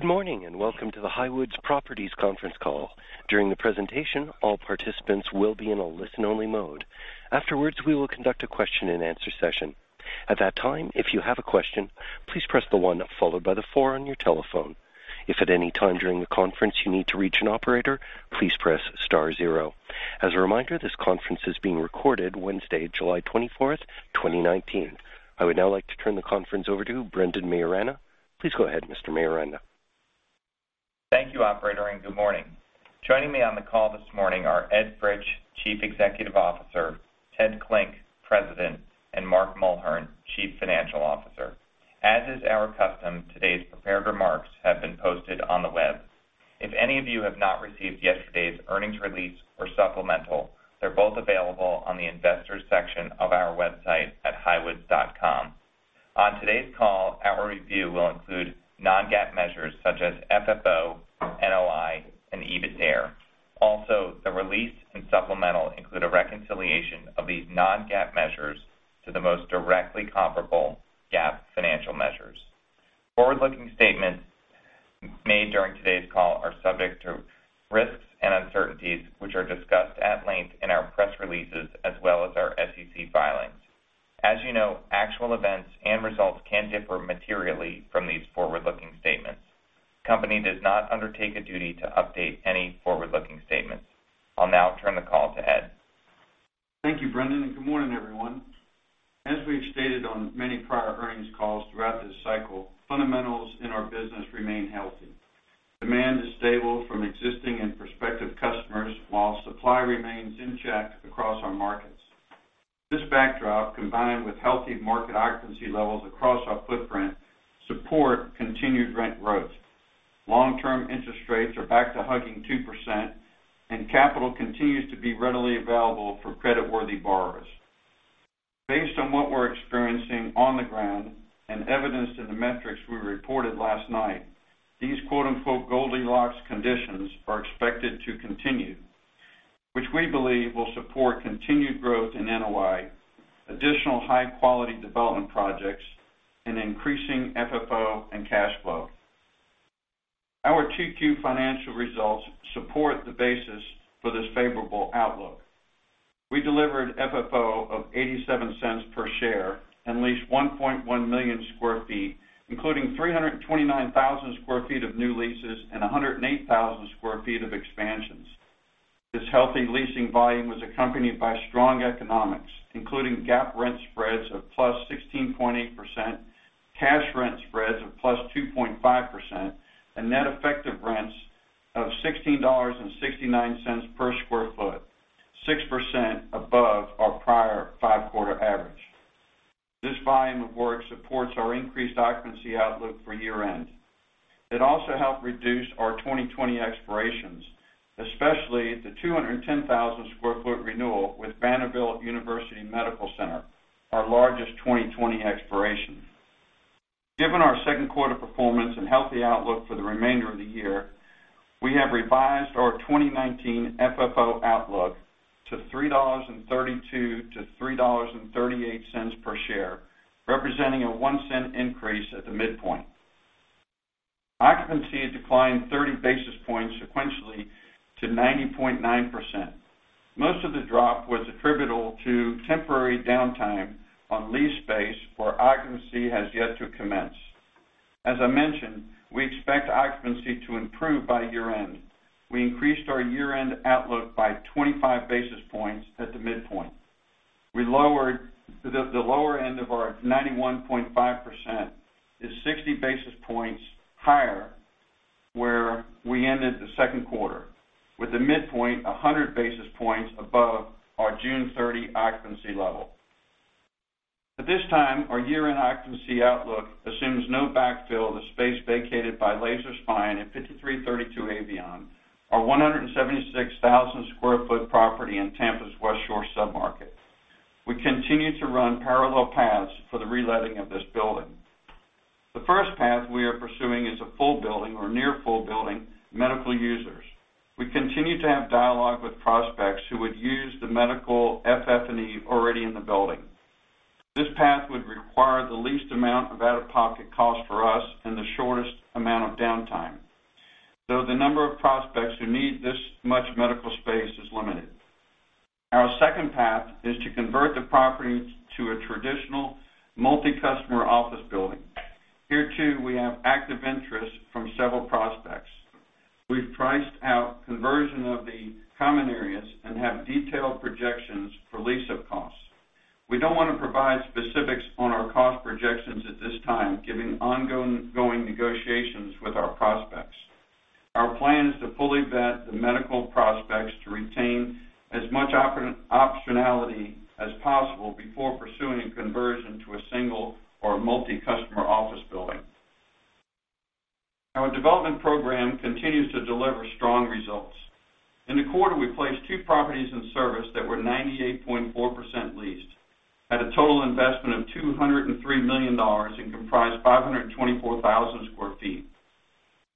Good morning, welcome to the Highwoods Properties conference call. During the presentation, all participants will be in a listen-only mode. Afterwards, we will conduct a question and answer session. At that time, if you have a question, please press the one followed by the four on your telephone. If at any time during the conference you need to reach an operator, please press star zero. As a reminder, this conference is being recorded Wednesday, July 24th, 2019. I would now like to turn the conference over to Brendan Maiorana. Please go ahead, Mr. Maiorana. Thank you, operator, and good morning. Joining me on the call this morning are Ed Fritsch, Chief Executive Officer, Ted Klinck, President, and Mark Mulhern, Chief Financial Officer. As is our custom, today's prepared remarks have been posted on the web. If any of you have not received yesterday's earnings release or supplemental, they're both available on the investors section of our website at highwoods.com. On today's call, our review will include non-GAAP measures such as FFO, NOI, and EBITDAre. The release and supplemental include a reconciliation of these non-GAAP measures to the most directly comparable GAAP financial measures. Forward-looking statements made during today's call are subject to risks and uncertainties, which are discussed at length in our press releases as well as our SEC filings. As you know, actual events and results can differ materially from these forward-looking statements. The company does not undertake a duty to update any forward-looking statements. I'll now turn the call to Ed. Thank you, Brendan. Good morning, everyone. As we've stated on many prior earnings calls throughout this cycle, fundamentals in our business remain healthy. Demand is stable from existing and prospective customers, while supply remains in check across our markets. This backdrop, combined with healthy market occupancy levels across our footprint, support continued rent growth. Long-term interest rates are back to hugging 2%, and capital continues to be readily available for credit-worthy borrowers. Based on what we're experiencing on the ground and evidenced in the metrics we reported last night, these "Goldilocks conditions" are expected to continue, which we believe will support continued growth in NOI, additional high-quality development projects, and increasing FFO and cash flow. Our Q2 financial results support the basis for this favorable outlook. We delivered FFO of $0.87 per share and leased 1.1 million square feet, including 329,000 sq ft of new leases and 108,000 sq ft of expansions. This healthy leasing volume was accompanied by strong economics, including GAAP rent spreads of +16.8%, cash rent spreads of +2.5%, and net effective rents of $16.69 per square foot, 6% above our prior five-quarter average. This volume of work supports our increased occupancy outlook for year-end. It also helped reduce our 2020 expirations, especially the 210,000 sq ft renewal with Vanderbilt University Medical Center, our largest 2020 expiration. Given our second quarter performance and healthy outlook for the remainder of the year, we have revised our 2019 FFO outlook to $3.32-$3.38 per share, representing a $0.01 increase at the midpoint. Occupancy declined 30 basis points sequentially to 90.9%. Most of the drop was attributable to temporary downtime on leased space where occupancy has yet to commence. As I mentioned, we expect occupancy to improve by year-end. We increased our year-end outlook by 25 basis points at the midpoint. The lower end of our 91.5% is 60 basis points higher, where we ended the second quarter, with the midpoint 100 basis points above our June 30 occupancy level. At this time, our year-end occupancy outlook assumes no backfill of the space vacated by Laser Spine at 5332 Avion, our 176,000 sq ft property in Tampa's West Shore sub-market. We continue to run parallel paths for the reletting of this building. The first path we are pursuing is a full building or near full building medical users. We continue to have dialogue with prospects who would use the medical FF&E already in the building. This path would require the least amount of out-of-pocket cost for us and the shortest amount of downtime, though the number of prospects who need this much medical space is limited. Our second path is to convert the property to a traditional multi-customer office building. Here, too, we have active interest from several prospects. We've priced out conversion of the common areas and have detailed projections for lease-up costs. We don't want to provide specifics on our cost projections at this time, given ongoing negotiations with our prospects. Our plan is to fully vet the medical prospects to retain as much optionality as possible before pursuing a conversion to a single or multi-customer office building. Our development program continues to deliver strong results. In the quarter, we placed two properties in service that were 98.4% leased at a total investment of $203 million and comprise 524,000 sq ft.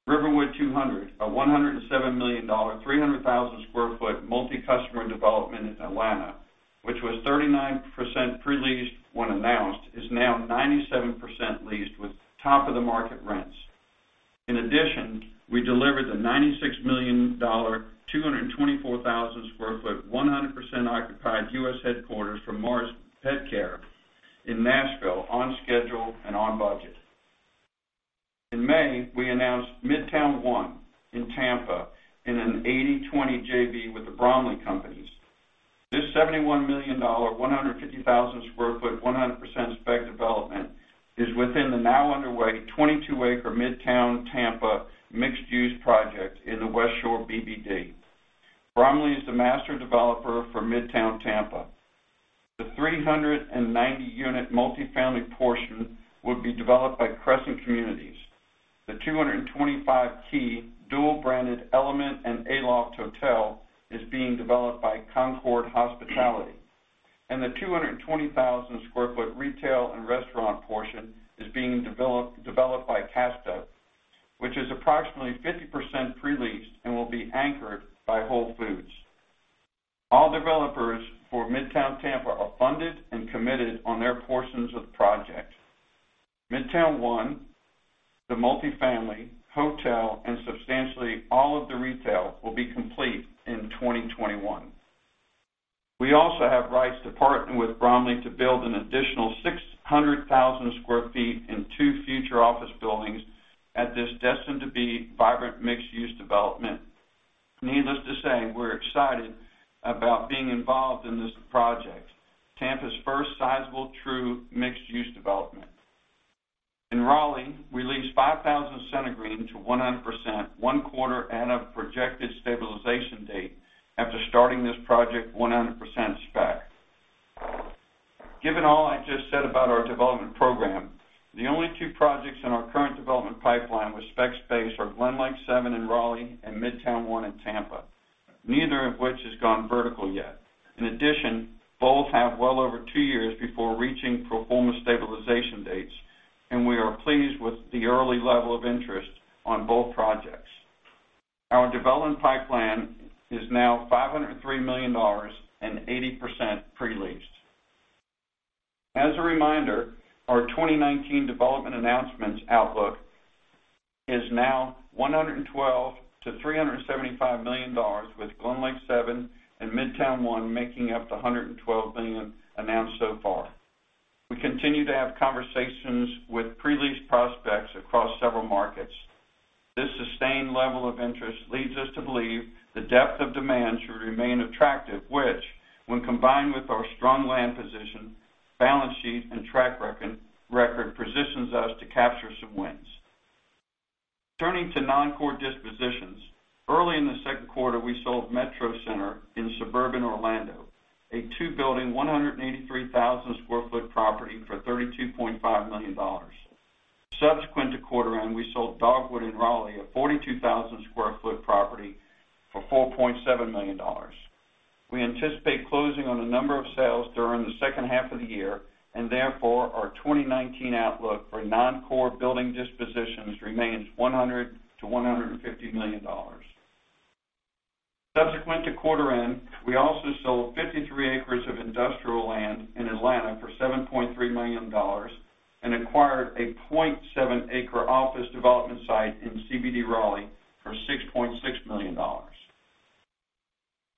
Riverwood 200, a $107 million 300,000 sq ft multi-customer development in Atlanta, which was 39% pre-leased when announced, is now 97% leased with top of the market rents. In addition, we delivered the $96 million, 224,000 sq ft, 100% occupied U.S. headquarters from Mars Petcare in Nashville on schedule and on budget. In May, we announced Midtown One in Tampa in an 80/20 JV with The Bromley Companies. This $71 million, 150,000 sq ft, 100% spec development is within the now underway 22 acres Midtown Tampa mixed use project in the West Shore BBD. Bromley is the master developer for Midtown Tampa. The 390-unit multi-family portion will be developed by Crescent Communities. The 225-key dual branded Element and Aloft Hotel is being developed by Concord Hospitality. The 220,000 sq ft retail and restaurant portion is being developed by CASTO, which is approximately 50% pre-leased and will be anchored by Whole Foods. All developers for Midtown Tampa are funded and committed on their portions of the project. Midtown One, the multi-family hotel, and substantially all of the retail will be complete in 2021. We also have rights to partner with Bromley to build an additional 600,000 sq ft in two future office buildings at this destined-to-be vibrant mixed-use development. Needless to say, we're excited about being involved in this project, Tampa's first sizable true mixed-use development. In Raleigh, we leased 5000 CentreGreen to 100%, one quarter and a projected stabilization date after starting this project 100% spec. Given all I just said about our development program, the only two projects in our current development pipeline with spec space are Glenlake Seven in Raleigh and Midtown One in Tampa, neither of which has gone vertical yet. Both have well over two years before reaching pro forma stabilization dates, and we are pleased with the early level of interest on both projects. Our development pipeline is now $503 million and 80% pre-leased. Our 2019 development announcements outlook is now $112 million-$375 million, with Glenlake Seven and Midtown One making up the $112 million announced so far. We continue to have conversations with pre-leased prospects across several markets. This sustained level of interest leads us to believe the depth of demand should remain attractive, which when combined with our strong land position, balance sheet, and track record, positions us to capture some wins. Turning to non-core dispositions. Early in the second quarter, we sold MetroCenter in suburban Orlando, a two-building, 183,000 sq ft property for $32.5 million. Subsequent to quarter end, we sold Dogwood in Raleigh, a 42,000 sq ft property for $4.7 million. We anticipate closing on a number of sales during the second half of the year, therefore, our 2019 outlook for non-core building dispositions remains $100 million-$150 million. Subsequent to quarter end, we also sold 53 acres of industrial land in Atlanta for $7.3 million and acquired a 0.7 acre office development site in CBD Raleigh for $6.6 million.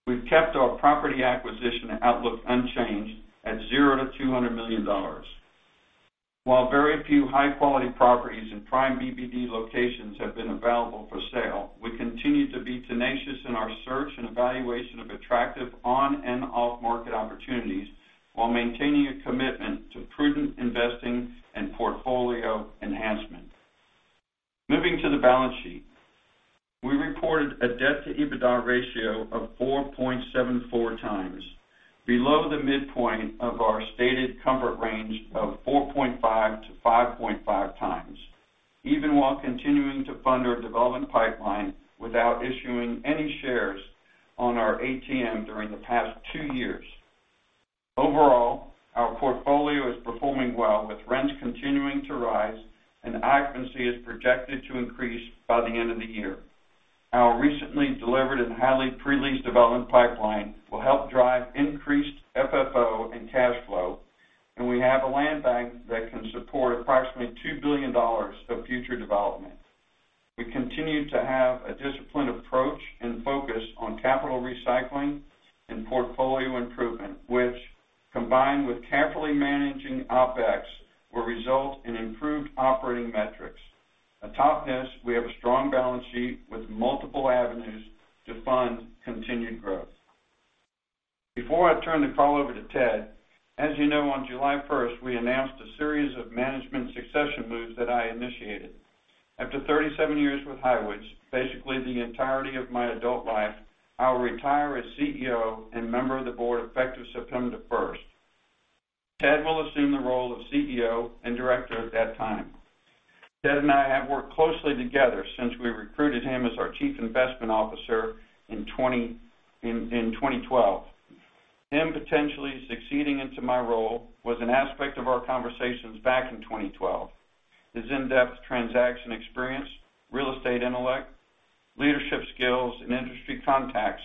We've kept our property acquisition outlook unchanged at $0-$200 million. While very few high-quality properties in prime BBD locations have been available for sale, we continue to be tenacious in our search and evaluation of attractive on and off-market opportunities while maintaining a commitment to prudent investing and portfolio enhancement. Moving to the balance sheet. We reported a debt-to-EBITDA ratio of 4.74x, below the midpoint of our stated comfort range of 4.5x-5.5x, even while continuing to fund our development pipeline without issuing any shares on our ATM during the past two years. Overall, our portfolio is performing well, with rents continuing to rise and occupancy is projected to increase by the end of the year. Our recently delivered and highly pre-leased development pipeline will help drive increased FFO and cash flow, and we have a land bank that can support approximately $2 billion of future development. We continue to have a disciplined approach and focus on capital recycling and portfolio improvement, which, combined with carefully managing OpEx, will result in improved operating metrics. Atop this, we have a strong balance sheet with multiple avenues to fund continued growth. Before I turn the call over to Ted, as you know, on July 1st, we announced a series of management succession moves that I initiated. After 37 years with Highwoods, basically the entirety of my adult life, I'll retire as CEO and Member of the Board effective September 1st. Ted will assume the role of CEO and Director at that time. Ted and I have worked closely together since we recruited him as our Chief Investment Officer in 2012. Him potentially succeeding into my role was an aspect of our conversations back in 2012. His in-depth transaction experience, real estate intellect, leadership skills and industry contacts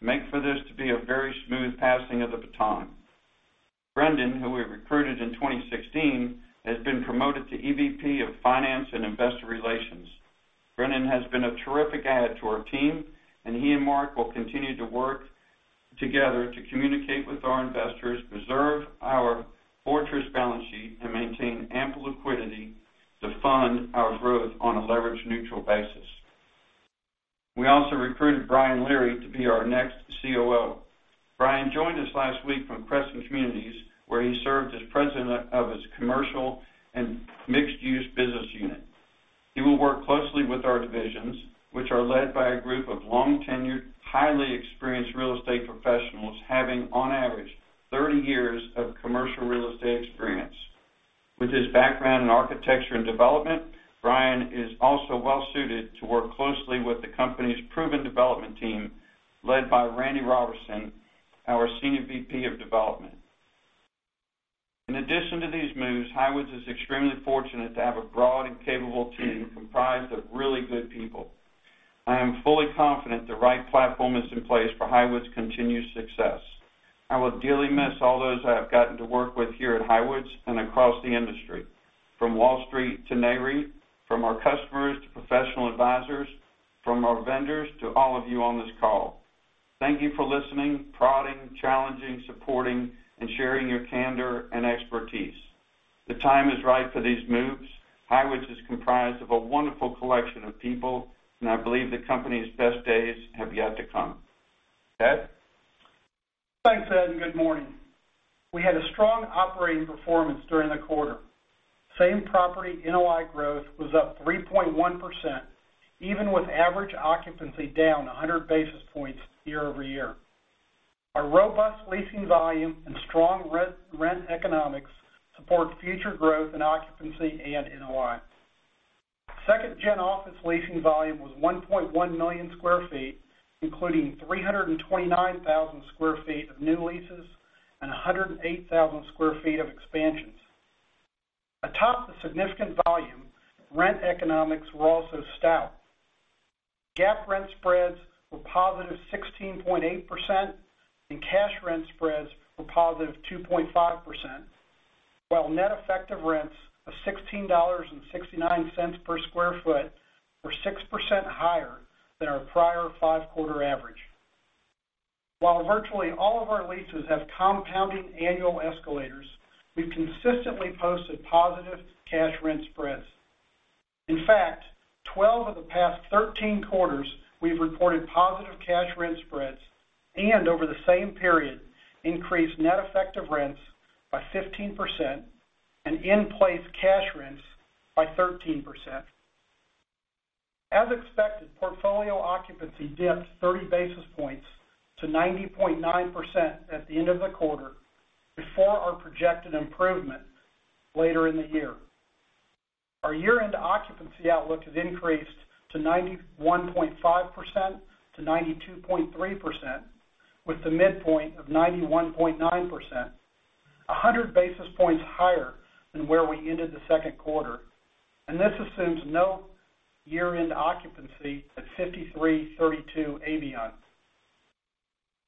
make for this to be a very smooth passing of the baton. Brendan, who we recruited in 2016, has been promoted to EVP of Finance and Investor Relations. Brendan has been a terrific add to our team, he and Mark will continue to work together to communicate with our investors, preserve our fortress balance sheet, and maintain ample liquidity to fund our growth on a leverage-neutral basis. We also recruited Brian Leary to be our next COO. Brian joined us last week from Crescent Communities, where he served as President of its commercial and mixed-use business unit. He will work closely with our divisions, which are led by a group of long-tenured, highly experienced real estate professionals having on average 30 years of commercial real estate experience. With his background in architecture and development, Brian is also well-suited to work closely with the company's proven development team, led by Randy Roberson, our Senior VP of Development. In addition to these moves, Highwoods is extremely fortunate to have a broad and capable team comprised of really good people. I am fully confident the right platform is in place for Highwoods' continued success. I will dearly miss all those I have gotten to work with here at Highwoods and across the industry, from Wall Street to Nareit, from our customers to professional advisors, from our vendors to all of you on this call. Thank you for listening, prodding, challenging, supporting, and sharing your candor and expertise. The time is right for these moves. Highwoods is comprised of a wonderful collection of people, and I believe the company's best days have yet to come. Ted? Thanks, Ed, good morning. We had a strong operating performance during the quarter. Same property NOI growth was up 3.1%, even with average occupancy down 100 basis points year-over-year. Our robust leasing volume and strong rent economics support future growth in occupancy and NOI. Second-gen office leasing volume was 1.1 million square feet, including 329,000 sq ft of new leases and 108,000 sq ft of expansions. Atop the significant volume, rent economics were also stout. GAAP rent spreads were positive 16.8%, and cash rent spreads were positive 2.5%, while net effective rents of $16.69 per square foot were 6% higher than our prior five-quarter average. While virtually all of our leases have compounding annual escalators, we've consistently posted positive cash rent spreads. In fact, 12 of the past 13 quarters, we've reported positive cash rent spreads and, over the same period, increased net effective rents by 15% and in-place cash rents by 13%. As expected, portfolio occupancy dipped 30 basis points to 90.9% at the end of the quarter before our projected improvement later in the year. Our year-end occupancy outlook has increased to 91.5%-92.3%, with the midpoint of 91.9%, 100 basis points higher than where we ended the second quarter. This assumes no year-end occupancy at 5332 Avion.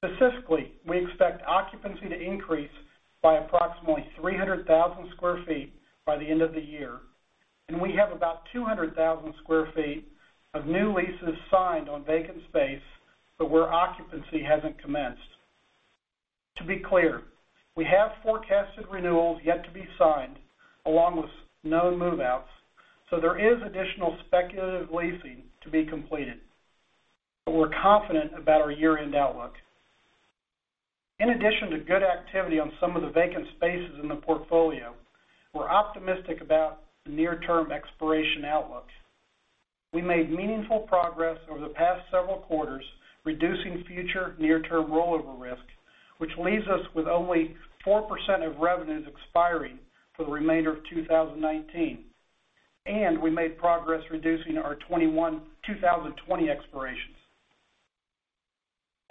Specifically, we expect occupancy to increase by approximately 300,000 sq ft by the end of the year. We have about 200,000 sq ft of new leases signed on vacant space, where occupancy hasn't commenced. To be clear, we have forecasted renewals yet to be signed, along with known move-outs, so there is additional speculative leasing to be completed, but we're confident about our year-end outlook. In addition to good activity on some of the vacant spaces in the portfolio, we're optimistic about the near-term expiration outlook. We made meaningful progress over the past several quarters, reducing future near-term rollover risk, which leaves us with only 4% of revenues expiring for the remainder of 2019, and we made progress reducing our 2020 expirations.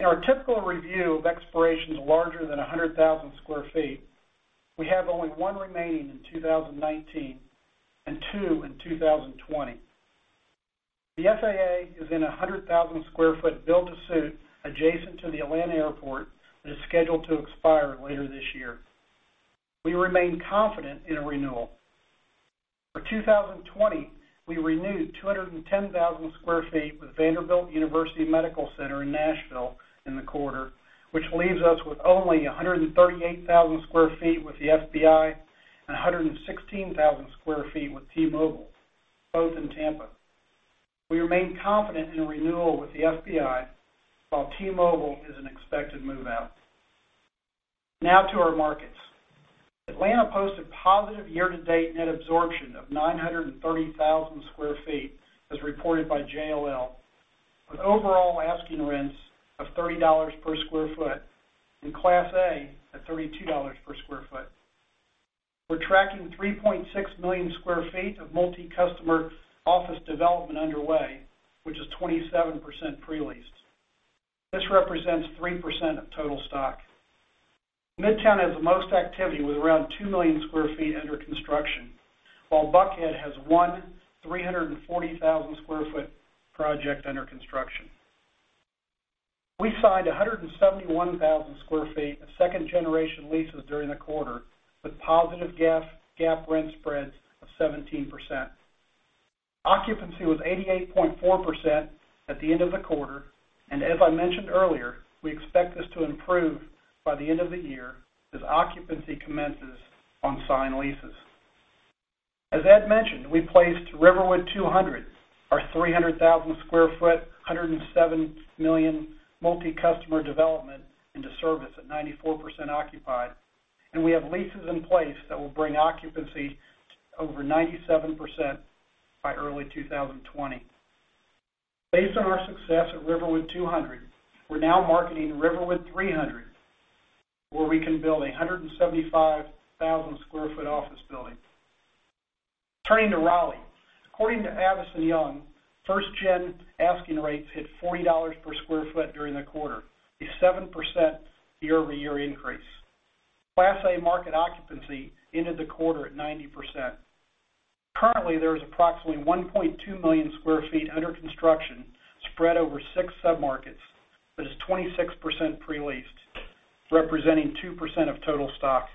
In our typical review of expirations larger than 100,000 sq ft, we have only one remaining in 2019 and two in 2020. The FAA is in a 100,000-sq ft build-to-suit adjacent to the Atlanta airport that is scheduled to expire later this year. We remain confident in a renewal. For 2020, we renewed 210,000 sq ft with Vanderbilt University Medical Center in Nashville in the quarter, which leaves us with only 138,000 sq ft with the FBI and 116,000 sq ft with T-Mobile, both in Tampa. We remain confident in a renewal with the FBI, while T-Mobile is an expected move-out. To our markets. Atlanta posted positive year-to-date net absorption of 930,000 sq ft, as reported by JLL, with overall asking rents of $30 per square foot, and Class A at $32 per square foot. We're tracking 3.6 million square feet of multi-customer office development underway, which is 27% pre-leased. This represents 3% of total stock. Midtown has the most activity with around 2 million square feet under construction, while Buckhead has one 340,000 sq ft project under construction. We signed 171,000 sq ft of second-generation leases during the quarter with positive GAAP rent spreads of 17%. Occupancy was 88.4% at the end of the quarter, and as I mentioned earlier, we expect this to improve by the end of the year as occupancy commences on signed leases. As Ed mentioned, we placed Riverwood 200, our 300,000 sq ft, $107 million multi-customer development into service at 94% occupied, and we have leases in place that will bring occupancy to over 97% by early 2020. Based on our success at Riverwood 200, we're now marketing Riverwood 300, where we can build a 175,000 sq ft office building. Turning to Raleigh, according to Avison Young, first-gen asking rates hit $40 per sq ft during the quarter, a 7% year-over-year increase. Class A market occupancy ended the quarter at 90%. Currently, there is approximately 1.2 million sq ft under construction spread over six submarkets that is 26% pre-leased, representing 2% of total stock.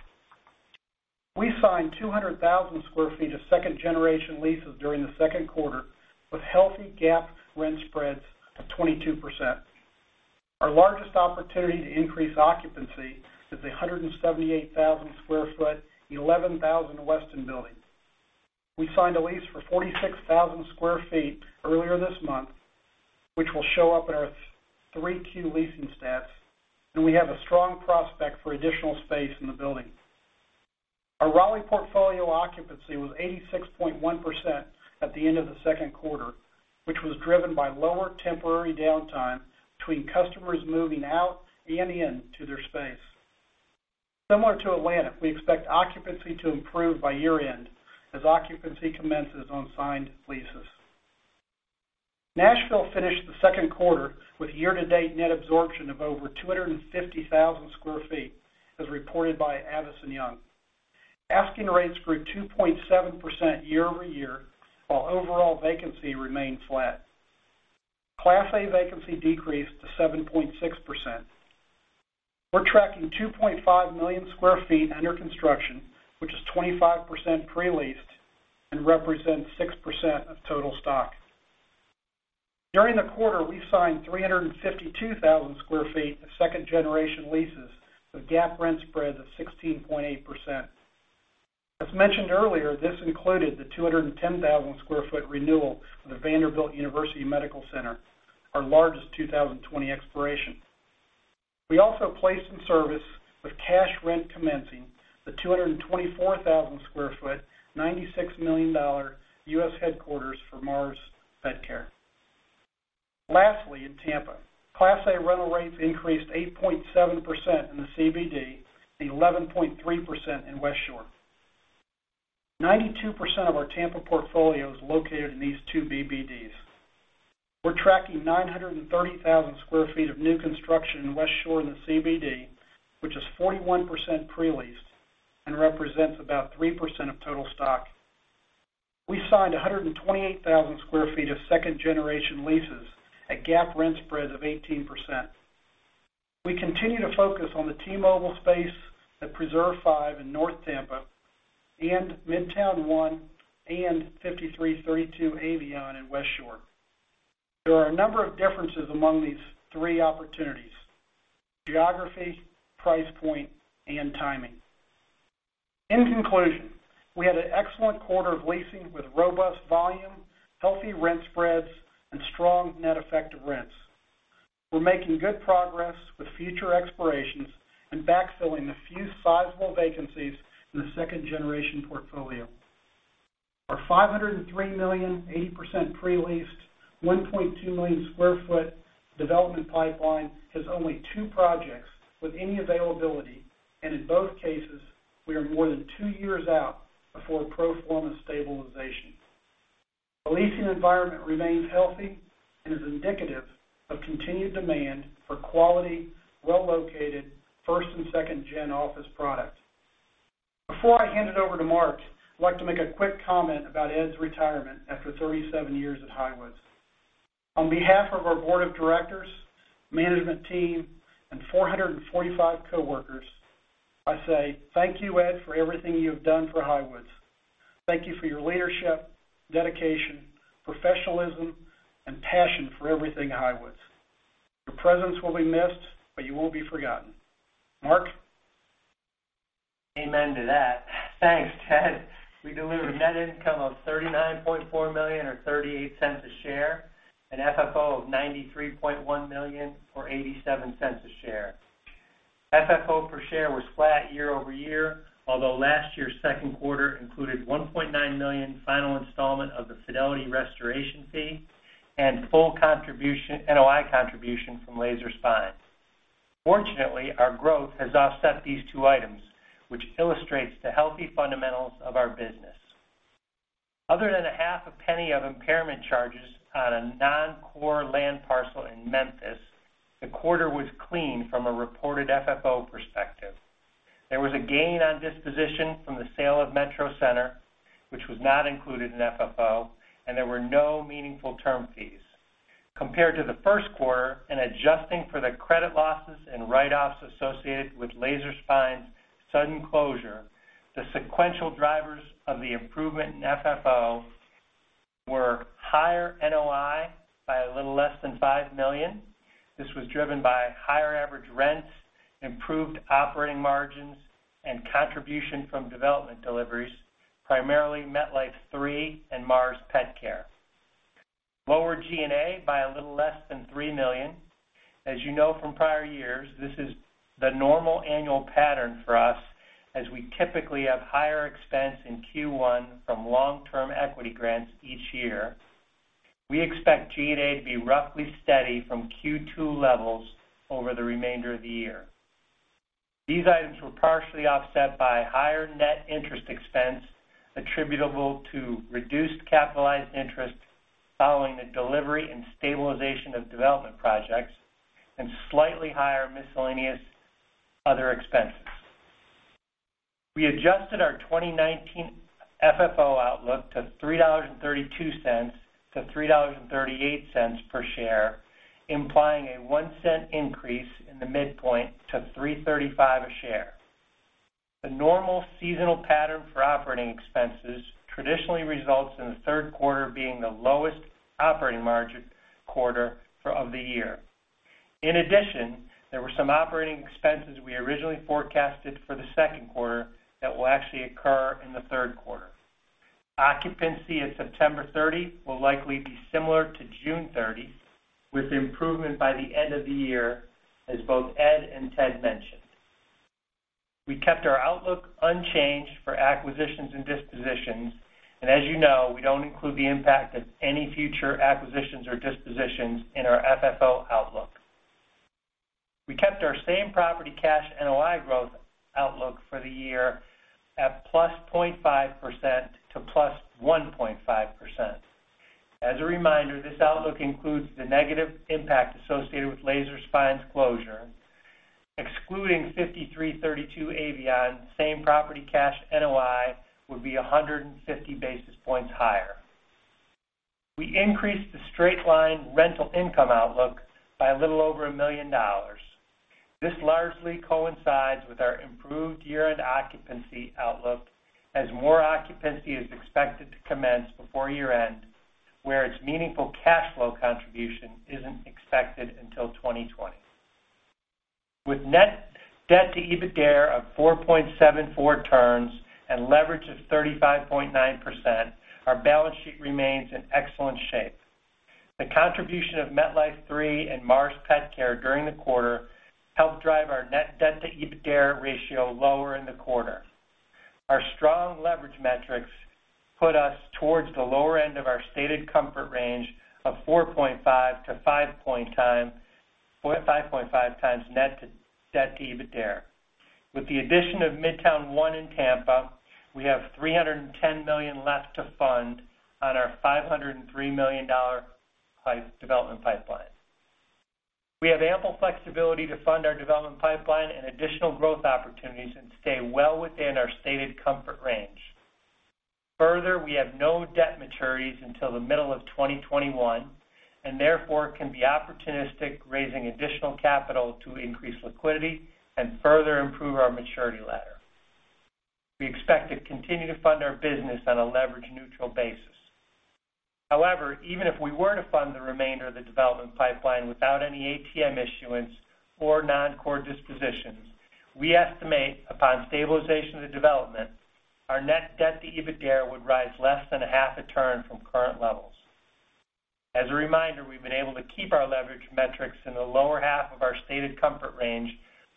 We signed 200,000 sq ft of second-generation leases during the second quarter with healthy GAAP rent spreads of 22%. Our largest opportunity to increase occupancy is a 178,000 sq ft 11000 Weston building. We signed a lease for 46,000 sq ft earlier this month, which will show up in our 3Q leasing stats, and we have a strong prospect for additional space in the building. Our Raleigh portfolio occupancy was 86.1% at the end of the second quarter, which was driven by lower temporary downtime between customers moving out and in to their space. Similar to Atlanta, we expect occupancy to improve by year-end as occupancy commences on signed leases. Nashville finished the second quarter with year-to-date net absorption of over 250,000 sq ft, as reported by Avison Young. Asking rates grew 2.7% year-over-year, while overall vacancy remained flat. Class A vacancy decreased to 7.6%. We're tracking 2.5 million square feet under construction, which is 25% pre-leased and represents 6% of total stock. During the quarter, we signed 352,000 sq ft of second-generation leases with GAAP rent spreads of 16.8%. As mentioned earlier, this included the 210,000 sq ft renewal of the Vanderbilt University Medical Center, our largest 2020 expiration. We also placed in service with cash rent commencing the 224,000 sq ft, $96 million U.S. headquarters for Mars Petcare. Lastly, in Tampa, Class A rental rates increased 8.7% in the CBD and 11.3% in Westshore. 92% of our Tampa portfolio is located in these two CBDs. We're tracking 930,000 sq ft of new construction in Westshore and the CBD, which is 41% pre-leased and represents about 3% of total stock. We signed 128,000 sq ft of second-generation leases at GAAP rent spreads of 18%. We continue to focus on the T-Mobile space at Preserve V in North Tampa and Midtown One and 5332 Avion in Westshore. There are a number of differences among these three opportunities: geography, price point, and timing. We had an excellent quarter of leasing with robust volume, healthy rent spreads, and strong net effective rents. We're making good progress with future expirations and backfilling the few sizable vacancies in the second-generation portfolio. Our $503 million, 80% pre-leased, 1.2 million square foot development pipeline has only two projects with any availability, and in both cases, we are more than two years out before pro forma stabilization. The leasing environment remains healthy and is indicative of continued demand for quality, well-located first and second gen office product. Before I hand it over to Mark, I'd like to make a quick comment about Ed's retirement after 37 years at Highwoods. On behalf of our Board of Directors, management team, and 445 coworkers, I say thank you, Ed, for everything you have done for Highwoods. Thank you for your leadership, dedication, professionalism, and passion for everything Highwoods. Your presence will be missed, but you won't be forgotten. Mark? Amen to that. Thanks, Ted. We delivered net income of $39.4 million or $0.38 a share, FFO of $93.1 million or $0.87 a share. FFO per share was flat year-over-year, although last year's second quarter included $1.9 million final installment of the Fidelity restoration fee and full NOI contribution from Laser Spine. Fortunately, our growth has offset these two items, which illustrates the healthy fundamentals of our business. Other than a half a penny of impairment charges on a non-core land parcel in Memphis, the quarter was clean from a reported FFO perspective. There was a gain on disposition from the sale of MetroCenter, which was not included in FFO, there were no meaningful term fees. Compared to the first quarter, and adjusting for the credit losses and write-offs associated with Laser Spine's sudden closure, the sequential drivers of the improvement in FFO were higher NOI by a little less than $5 million. This was driven by higher average rents, improved operating margins, and contribution from development deliveries, primarily MetLife 3 and Mars Petcare. Lower G&A by a little less than $3 million. As you know from prior years, this is the normal annual pattern for us as we typically have higher expense in Q1 from long-term equity grants each year. We expect G&A to be roughly steady from Q2 levels over the remainder of the year. These items were partially offset by higher net interest expense attributable to reduced capitalized interest following the delivery and stabilization of development projects, and slightly higher miscellaneous other expenses. We adjusted our 2019 FFO outlook to $3.32-$3.38 per share, implying a $0.01 increase in the midpoint to $3.35 a share. The normal seasonal pattern for operating expenses traditionally results in the third quarter being the lowest operating margin quarter of the year. In addition, there were some operating expenses we originally forecasted for the second quarter that will actually occur in the third quarter. Occupancy at September 30 will likely be similar to June 30, with improvement by the end of the year, as both Ed and Ted mentioned. We kept our outlook unchanged for acquisitions and dispositions. As you know, we don't include the impact of any future acquisitions or dispositions in our FFO outlook. We kept our same-property cash NOI growth outlook for the year at +0.5%-+1.5%. As a reminder, this outlook includes the negative impact associated with Laser Spine's closure. Excluding 5332 Avion, same-property cash NOI would be 150 basis points higher. We increased the straight-line rental income outlook by a little over $1 million. This largely coincides with our improved year-end occupancy outlook as more occupancy is expected to commence before year-end, where its meaningful cash flow contribution isn't expected until 2020. With net debt-to-EBITDAre of 4.74 turns and leverage of 35.9%, our balance sheet remains in excellent shape. The contribution of MetLife 3 and Mars Petcare during the quarter helped drive our net debt-to-EBITDAre ratio lower in the quarter. Our strong leverage metrics put us towards the lower end of our stated comfort range of 4.5x-5.5x net debt-to-EBITDAre. With the addition of Midtown One in Tampa, we have $310 million left to fund on our $503 million development pipeline. We have ample flexibility to fund our development pipeline and additional growth opportunities and stay well within our stated comfort range. Further, we have no debt maturities until the middle of 2021, and therefore can be opportunistic, raising additional capital to increase liquidity and further improve our maturity ladder. We expect to continue to fund our business on a leverage-neutral basis. However, even if we were to fund the remainder of the development pipeline without any ATM issuance or non-core dispositions, we estimate, upon stabilization of the development, our net debt-to-EBITDA would rise less than a half a turn from current levels. As a reminder, we've been able to keep our leverage metrics in the lower half of our stated comfort range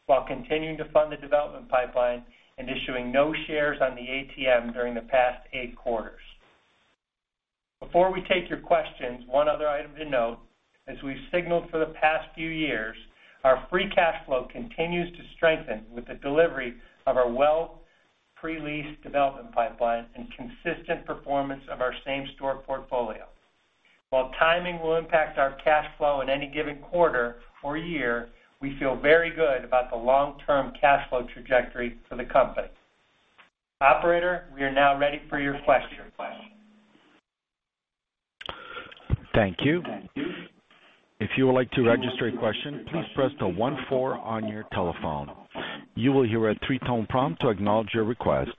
while continuing to fund the development pipeline and issuing no shares on the ATM during the past eight quarters. Before we take your questions, one other item to note, as we've signaled for the past few years, our free cash flow continues to strengthen with the delivery of our well-pre-leased development pipeline and consistent performance of our same-store portfolio. While timing will impact our cash flow in any given quarter or year, we feel very good about the long-term cash flow trajectory for the company. Operator, we are now ready for your questions. Thank you. If you would like to register your question, please press the one four on your telephone. You will hear a three-tone prompt to acknowledge your request.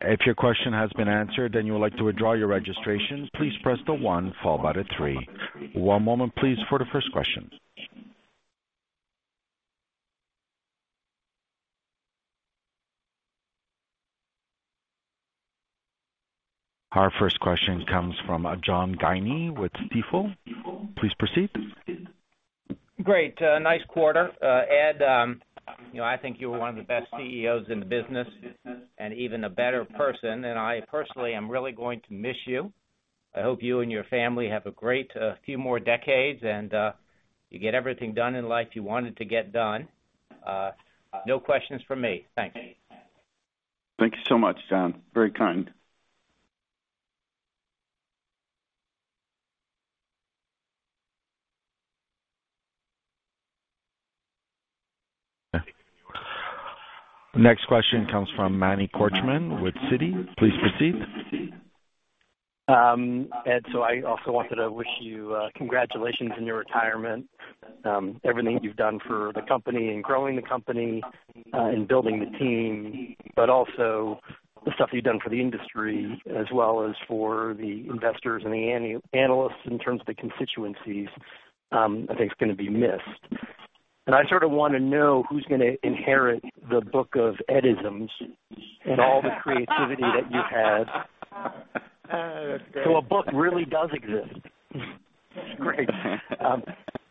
If your question has been answered and you would like to withdraw your registration, please press the one followed by the three. One moment please for the first question. Our first question comes from John Guinee with Stifel. Please proceed. Great. Nice quarter. Ed, I think you're one of the best CEOs in the business and even a better person, and I personally am really going to miss you. I hope you and your family have a great few more decades, and you get everything done in life you wanted to get done. No questions from me. Thanks. Thank you so much, John. Very kind. Next question comes from Manny Korchman with Citi. Please proceed. Ed, I also wanted to wish you congratulations on your retirement. Everything you've done for the company and growing the company, and building the team, but also the stuff you've done for the industry as well as for the investors and the analysts in terms of the constituencies, I think it's going to be missed. I sort of want to know who's going to inherit the book of Ed-isms and all the creativity that you've had. That's great. A book really does exist. That's great.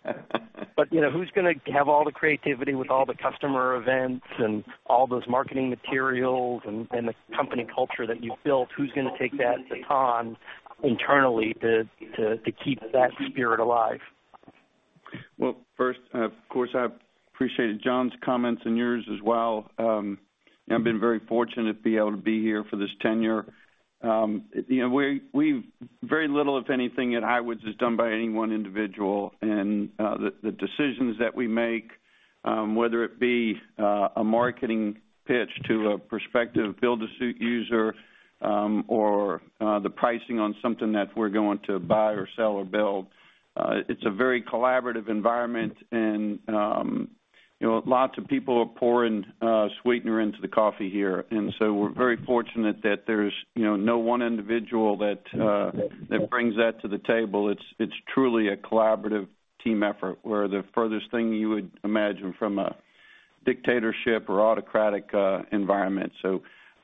Who's going to have all the creativity with all the customer events and all those marketing materials and the company culture that you've built? Who's going to take that baton internally to keep that spirit alive? Well, first, of course, I appreciate John's comments and yours as well. I've been very fortunate to be able to be here for this tenure. Very little, if anything, at Highwoods is done by any one individual. The decisions that we make, whether it be a marketing pitch to a prospective build-to-suit user, or the pricing on something that we're going to buy or sell or build, it's a very collaborative environment and lots of people are pouring sweetener into the coffee here. We're very fortunate that there's no one individual that brings that to the table. It's truly a collaborative team effort. We're the furthest thing you would imagine from a dictatorship or autocratic environment.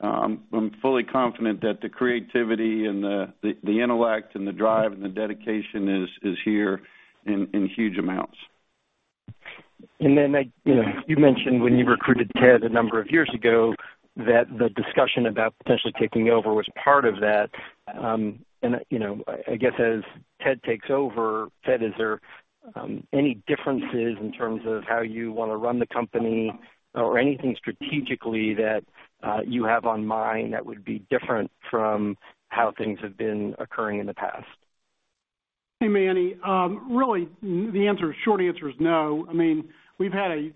I'm fully confident that the creativity and the intellect and the drive and the dedication is here in huge amounts. Then Ed, you mentioned when you recruited Ted a number of years ago that the discussion about potentially taking over was part of that. I guess as Ted takes over, Ted, is there any differences in terms of how you want to run the company or anything strategically that you have on mind that would be different from how things have been occurring in the past? Hey, Manny. Really, the short answer is no. We've had a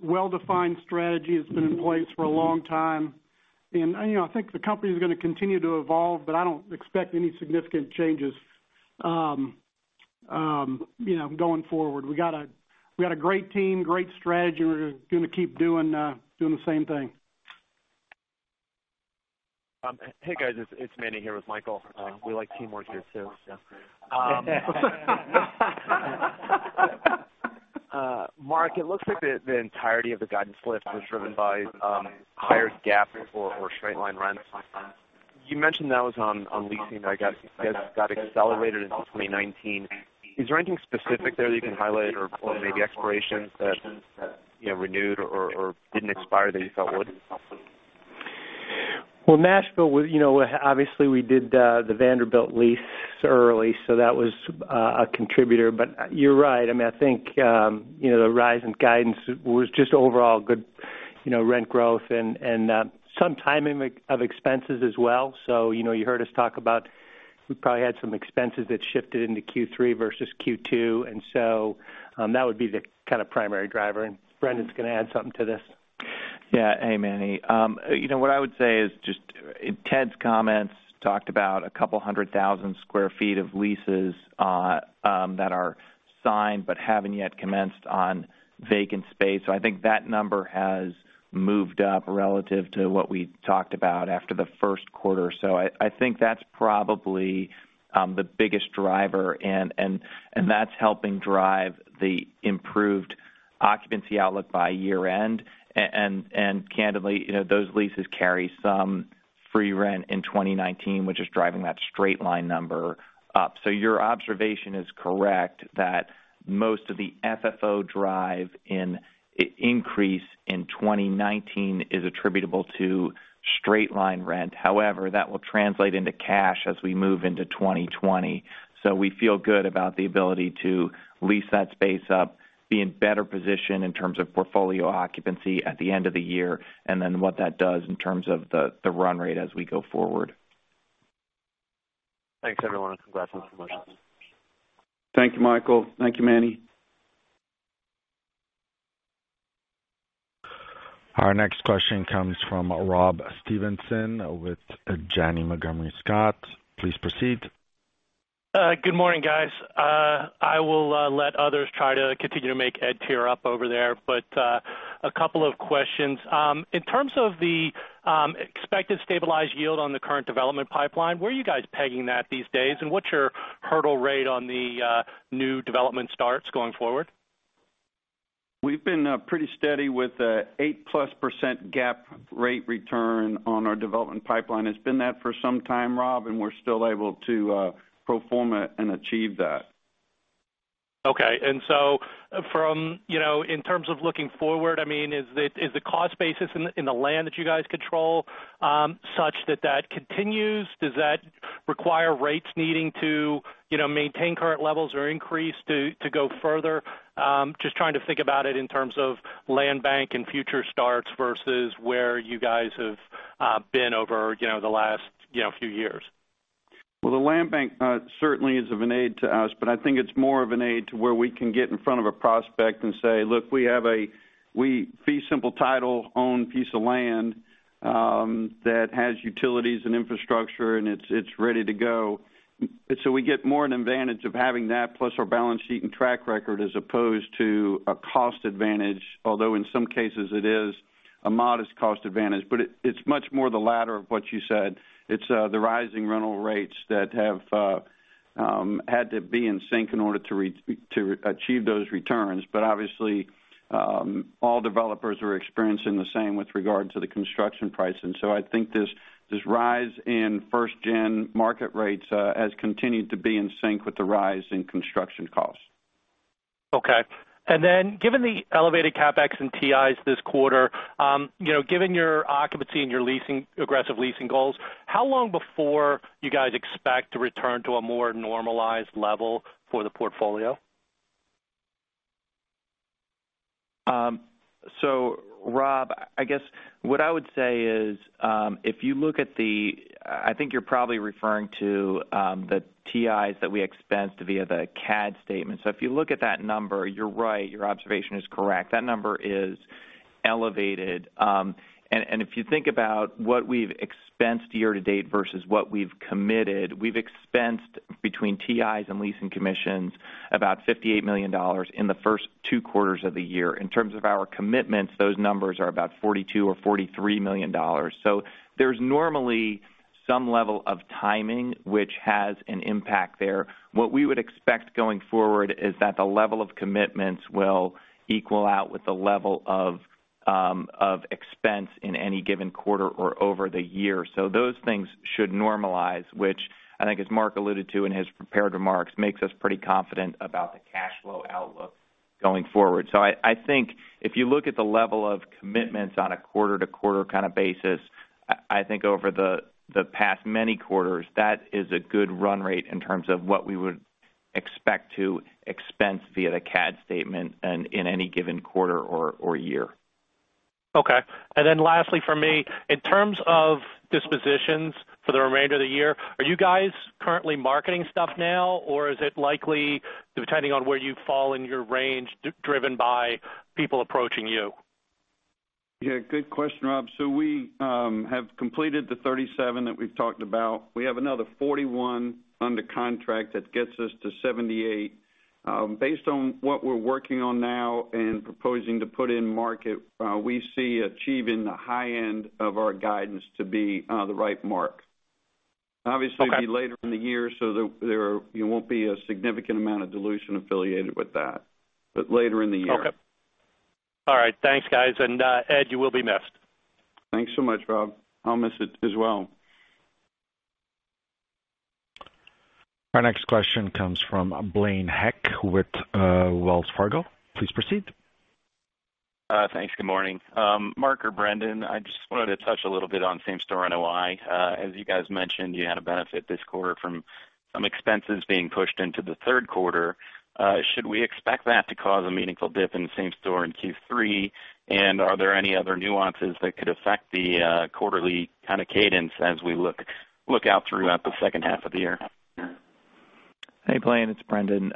well-defined strategy that's been in place for a long time, and I think the company's going to continue to evolve, but I don't expect any significant changes going forward. We got a great team, great strategy. We're going to keep doing the same thing. Hey, guys. It's Michael here with Manny. We like teamwork here too, so yeah. Mark, it looks like the entirety of the guidance lift was driven by higher GAAP or straight line rents. You mentioned that was on leasing that I guess got accelerated into 2019. Is there anything specific there that you can highlight or maybe expirations that renewed or didn't expire that you felt would help with? Well, Nashville, obviously we did the Vanderbilt lease early, so that was a contributor, but you're right. I think the rise in guidance was just overall good rent growth and some timing of expenses as well. You heard us talk about, we probably had some expenses that shifted into Q3 versus Q2. That would be the kind of primary driver, and Brendan's going to add something to this. Hey, Michael. What I would say is just Ted's comments talked about 200,000 sq ft of leases that are signed but haven't yet commenced on vacant space. I think that number has moved up relative to what we talked about after the first quarter. I think that's probably the biggest driver, and that's helping drive the improved occupancy outlook by year-end. Candidly, those leases carry some free rent in 2019, which is driving that straight line number up. Your observation is correct that most of the FFO drive in increase in 2019 is attributable to straight line rent. However, that will translate into cash as we move into 2020. We feel good about the ability to lease that space up, be in better position in terms of portfolio occupancy at the end of the year, and then what that does in terms of the run rate as we go forward. Thanks, everyone, and congratulations. Thank you, Michael. Thank you, Manny. Our next question comes from Rob Stevenson with Janney Montgomery Scott. Please proceed. Good morning, guys. I will let others try to continue to make Ed tear up over there, but a couple of questions. In terms of the expected stabilized yield on the current development pipeline, where are you guys pegging that these days, and what's your hurdle rate on the new development starts going forward? We've been pretty steady with the 8%+ GAAP rate return on our development pipeline. It's been that for some time, Rob, and we're still able to perform it and achieve that. Okay. In terms of looking forward, is the cost basis in the land that you guys control such that that continues? Does that require rates needing to maintain current levels or increase to go further? Just trying to think about it in terms of land bank and future starts versus where you guys have been over the last few years. Well, the land bank certainly is of an aid to us, but I think it's more of an aid to where we can get in front of a prospect and say, "Look, we fee simple title own piece of land that has utilities and infrastructure, and it's ready to go." We get more an advantage of having that plus our balance sheet and track record as opposed to a cost advantage, although in some cases it is a modest cost advantage. It's much more the latter of what you said. It's the rising rental rates that have had to be in sync in order to achieve those returns. Obviously, all developers are experiencing the same with regard to the construction pricing. I think this rise in first-gen market rates has continued to be in sync with the rise in construction costs. Okay. Given the elevated CapEx and TIs this quarter, given your occupancy and your aggressive leasing goals, how long before you guys expect to return to a more normalized level for the portfolio? Rob, I guess what I would say is, I think you're probably referring to the TIs that we expensed via the CAD statement. If you look at that number, you're right, your observation is correct. That number is elevated. If you think about what we've expensed year to date versus what we've committed, we've expensed between TIs and leasing commissions about $58 million in the first two quarters of the year. In terms of our commitments, those numbers are about $42 or $43 million. There's normally some level of timing which has an impact there. What we would expect going forward is that the level of commitments will equal out with the level of expense in any given quarter or over the year. Those things should normalize, which I think as Mark alluded to in his prepared remarks, makes us pretty confident about the cash flow outlook going forward. I think if you look at the level of commitments on a quarter-to-quarter kind of basis, I think over the past many quarters, that is a good run rate in terms of what we would expect to expense via the CAD statement in any given quarter or year. Okay. Lastly from me, in terms of dispositions for the remainder of the year, are you guys currently marketing stuff now, or is it likely, depending on where you fall in your range, driven by people approaching you? Yeah, good question, Rob. We have completed the 37 that we've talked about. We have another 41 under contract that gets us to 78. Based on what we're working on now and proposing to put in market, we see achieving the high end of our guidance to be the right mark. Okay. Obviously, it'll be later in the year, so there won't be a significant amount of dilution affiliated with that. Later in the year. Okay. All right. Thanks, guys. Ed, you will be missed. Thanks so much, Rob. I'll miss it as well. Our next question comes from Blaine Heck with Wells Fargo. Please proceed. Thanks. Good morning. Mark or Brendan, I just wanted to touch a little bit on same-store NOI. As you guys mentioned, you had a benefit this quarter from some expenses being pushed into the third quarter. Should we expect that to cause a meaningful dip in the same store in Q3? Are there any other nuances that could affect the quarterly kind of cadence as we look out throughout the second half of the year? Hey, Blaine, it's Brendan.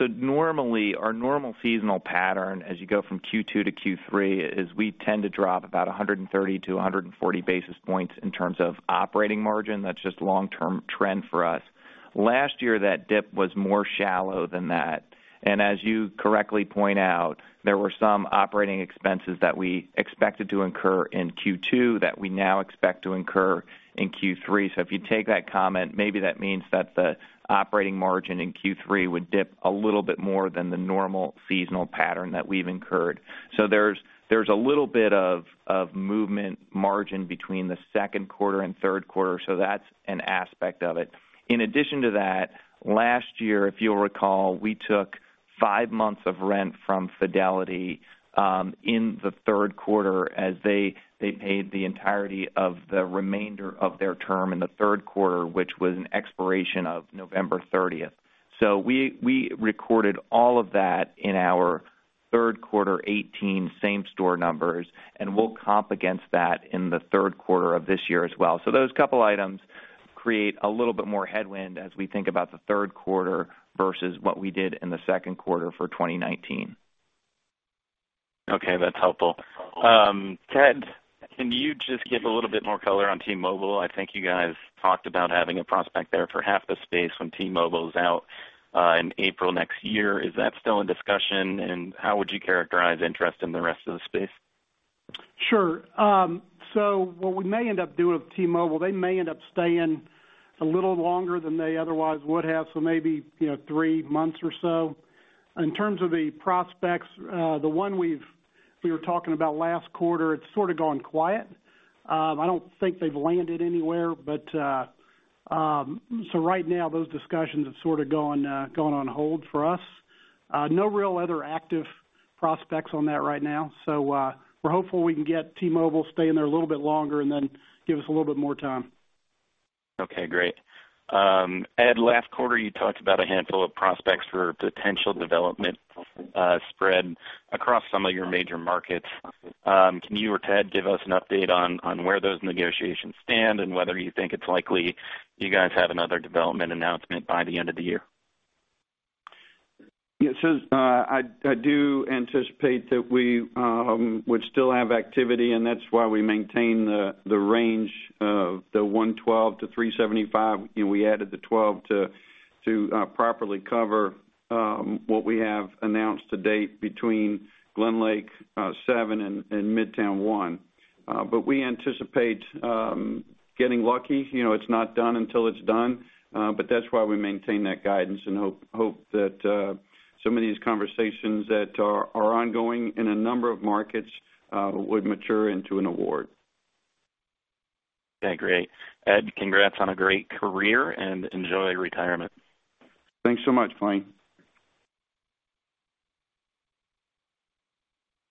Normally, our normal seasonal pattern as you go from Q2 to Q3 is we tend to drop about 130 to 140 basis points in terms of operating margin. That's just long-term trend for us. Last year, that dip was more shallow than that. As you correctly point out, there were some operating expenses that we expected to incur in Q2 that we now expect to incur in Q3. If you take that comment, maybe that means that the operating margin in Q3 would dip a little bit more than the normal seasonal pattern that we've incurred. There's a little bit of movement margin between the second quarter and third quarter, so that's an aspect of it. In addition to that, last year, if you'll recall, we took five months of rent from Fidelity in the third quarter as they paid the entirety of the remainder of their term in the third quarter, which was an expiration of November 30th. We recorded all of that in our third quarter 2018 same-store numbers, and we'll comp against that in the third quarter of this year as well. Those couple items create a little bit more headwind as we think about the third quarter versus what we did in the second quarter for 2019. Okay, that's helpful. Ted, can you just give a little bit more color on T-Mobile? I think you guys talked about having a prospect there for half the space when T-Mobile's out in April next year. Is that still in discussion? How would you characterize interest in the rest of the space? Sure. What we may end up doing with T-Mobile, they may end up staying a little longer than they otherwise would have, so maybe three months or so. In terms of the prospects, the one we were talking about last quarter, it's sort of gone quiet. I don't think they've landed anywhere. Right now, those discussions have sort of gone on hold for us. No real other active prospects on that right now. We're hopeful we can get T-Mobile to stay in there a little bit longer and then give us a little bit more time. Okay, great. Ed, last quarter, you talked about a handful of prospects for potential development spread across some of your major markets. Can you or Ted give us an update on where those negotiations stand and whether you think it's likely you guys have another development announcement by the end of the year? Yes. I do anticipate that we would still have activity, and that's why we maintain the range of the 112-375, and we added the 12 to properly cover what we have announced to date between Glenlake Seven and Midtown One. We anticipate getting lucky. It's not done until it's done. That's why we maintain that guidance and hope that some of these conversations that are ongoing in a number of markets, would mature into an award. Okay, great. Ed, congrats on a great career, and enjoy retirement. Thanks so much, Blaine.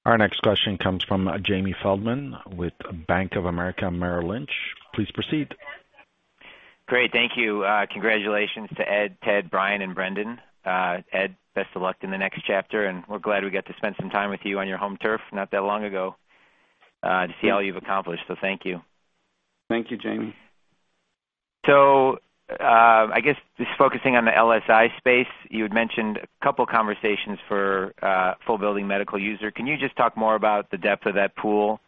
Our next question comes from Jamie Feldman with Bank of America, Merrill Lynch. Please proceed. Great. Thank you. Congratulations to Ed, Ted, Brian and Brendan. Ed, best of luck in the next chapter, and we're glad we got to spend some time with you on your home turf not that long ago to see all you've accomplished. Thank you. Thank you, Jamie. I guess just focusing on the LSI space, you had mentioned a couple conversations for a full building medical user. Can you just talk more about the depth of that pool,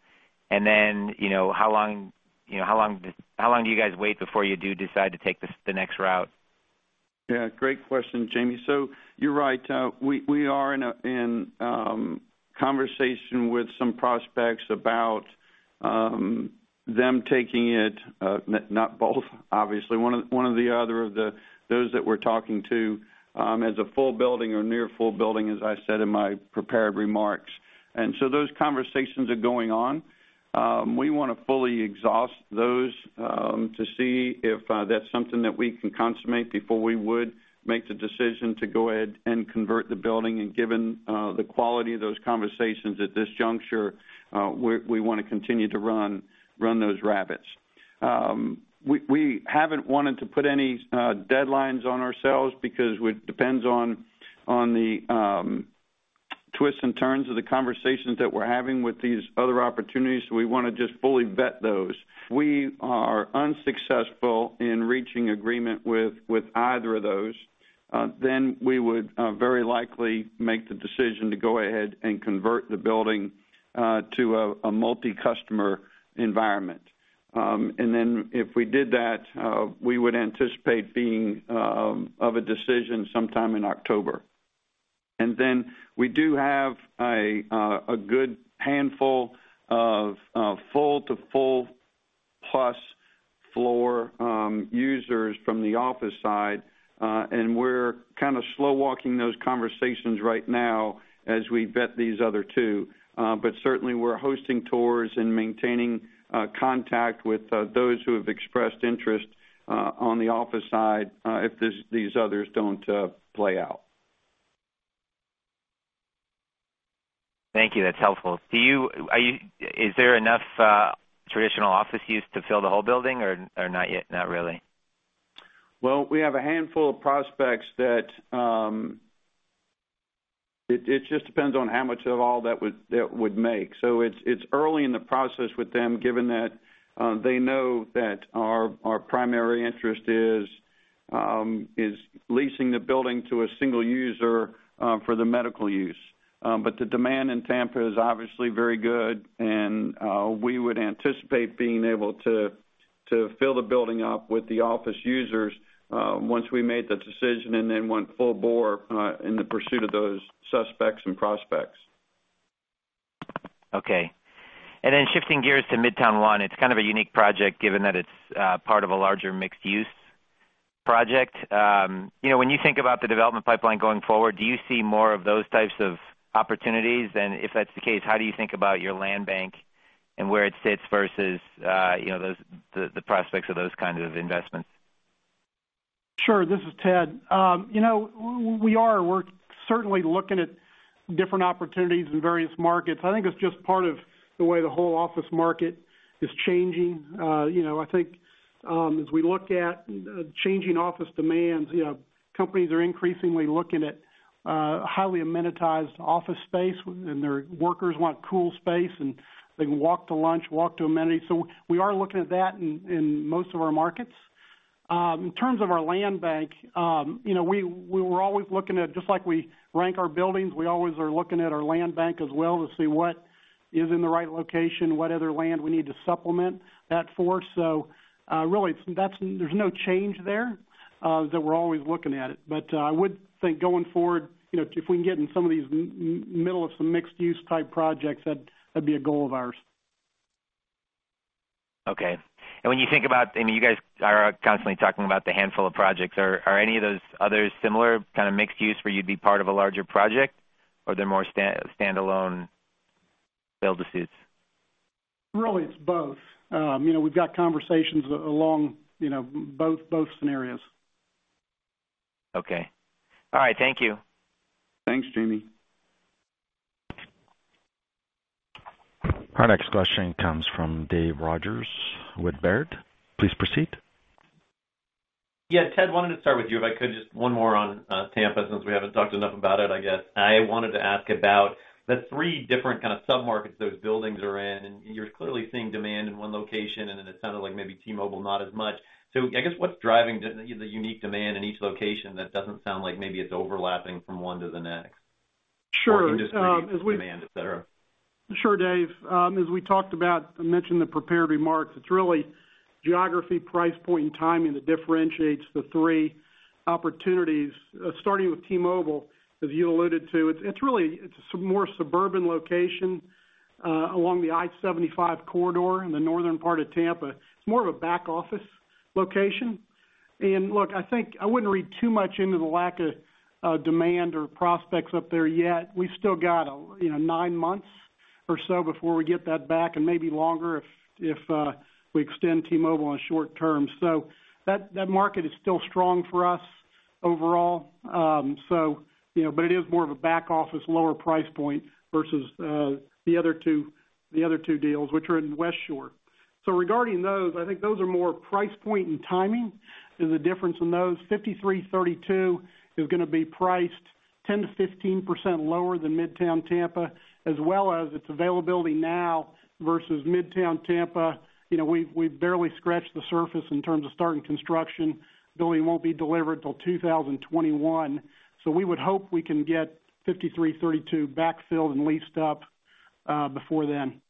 and then, how long do you guys wait before you do decide to take the next route? Yeah, great question, Jamie. You're right. We are in conversation with some prospects about them taking it, not both, obviously, one of the other of those that we're talking to, as a full building or near full building, as I said in my prepared remarks. Those conversations are going on. We want to fully exhaust those, to see if that's something that we can consummate before we would make the decision to go ahead and convert the building. Given the quality of those conversations at this juncture, we want to continue to run those rabbits. We haven't wanted to put any deadlines on ourselves because it depends on the twists and turns of the conversations that we're having with these other opportunities. We want to just fully vet those. If we are unsuccessful in reaching agreement with either of those, then we would very likely make the decision to go ahead and convert the building to a multi-customer environment. If we did that, we would anticipate being of a decision sometime in October. We do have a good handful of full to full-plus floor users from the office side. We're kind of slow-walking those conversations right now as we vet these other two. Certainly, we're hosting tours and maintaining contact with those who have expressed interest on the office side if these others don't play out. Thank you. That's helpful. Is there enough traditional office use to fill the whole building or not yet, not really? Well, we have a handful of prospects. It just depends on how much of all that would make. It's early in the process with them, given that they know that our primary interest is leasing the building to a single user for the medical use. The demand in Tampa is obviously very good, and we would anticipate being able to fill the building up with the office users, once we made the decision and then went full bore in the pursuit of those suspects and prospects. Okay. Shifting gears to Midtown One, it's kind of a unique project given that it's part of a larger mixed-use project. When you think about the development pipeline going forward, do you see more of those types of opportunities? If that's the case, how do you think about your land bank and where it sits versus the prospects of those kinds of investments? Sure. This is Ted. We are. We're certainly looking at different opportunities in various markets. I think it's just part of the way the whole office market is changing. I think, as we look at changing office demands, companies are increasingly looking at highly amenitized office space, and their workers want cool space, and they can walk to lunch, walk to amenities. We are looking at that in most of our markets. In terms of our land bank, we were always looking at, just like we rank our buildings, we always are looking at our land bank as well to see what is in the right location, what other land we need to supplement that for. Really, there's no change there, that we're always looking at it. I would think going forward, if we can get in some of these middle of some mixed-use type projects, that'd be a goal of ours. Okay. When you think about, you guys are constantly talking about the handful of projects. Are any of those others similar, kind of mixed use where you'd be part of a larger project? Or they're more standalone build-to-suits? Really, it's both. We've got conversations along both scenarios. Okay. All right. Thank you. Thanks, Jamie. Our next question comes from Dave Rodgers with Baird. Please proceed. Yeah. Ted, wanted to start with you, if I could, just one more on Tampa, since we haven't talked enough about it, I guess. I wanted to ask about the three different kind of sub-markets those buildings are in, and you're clearly seeing demand in one location, and then it sounded like maybe T-Mobile not as much. I guess what's driving the unique demand in each location that doesn't sound like maybe it's overlapping from one to the next? Sure. Can you just read demand, et cetera? Sure, Dave. As we talked about, I mentioned the prepared remarks. It is really geography, price point, and timing that differentiates the three opportunities, starting with T-Mobile, as you alluded to. It is more suburban location along the I-75 corridor in the northern part of Tampa. It is more of a back-office location. Look, I think I wouldn't read too much into the lack of demand or prospects up there yet. We've still got nine months or so before we get that back and maybe longer if we extend T-Mobile in short term. That market is still strong for us overall. It is more of a back office, lower price point versus the other two deals, which are in West Shore. Regarding those, I think those are more price point and timing is the difference in those 5332 is gonna be priced 10%-15% lower than Midtown Tampa, as well as its availability now versus Midtown Tampa. We've barely scratched the surface in terms of starting construction. Building won't be delivered till 2021. We would hope we can get 5332 back-filled and leased up before then.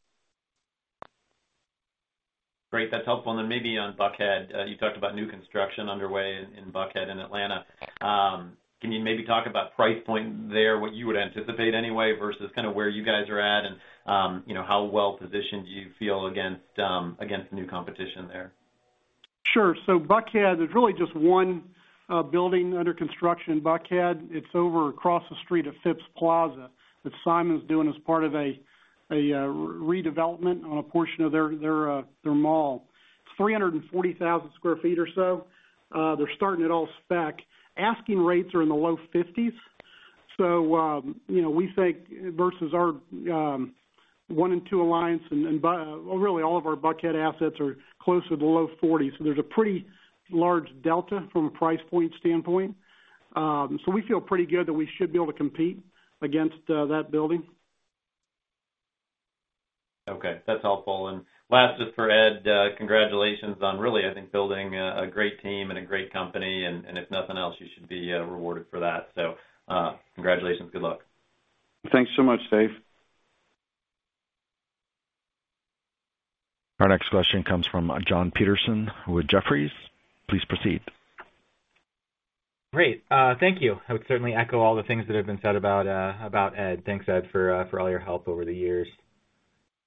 Great. That's helpful. Then maybe on Buckhead, you talked about new construction underway in Buckhead in Atlanta. Can you maybe talk about price point there, what you would anticipate anyway, versus kind of where you guys are at and how well-positioned do you feel against new competition there? Sure. Buckhead, there's really just one building under construction in Buckhead. It's over across the street at Phipps Plaza that Simon's doing as part of a redevelopment on a portion of their mall. 340,000 sq ft or so. They're starting it all spec. Asking rates are in the low $50s. We think versus our one and two Alliance and really all of our Buckhead assets are closer to the low $40s. There's a pretty large delta from a price point standpoint. We feel pretty good that we should be able to compete against that building. Okay. That's helpful. Last is for Ed. Congratulations on really, I think, building a great team and a great company, and if nothing else, you should be rewarded for that. Congratulations. Good luck. Thanks so much, Dave. Our next question comes from Jon Petersen with Jefferies. Please proceed. Great. Thank you. I would certainly echo all the things that have been said about Ed. Thanks, Ed, for all your help over the years.